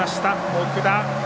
奥田。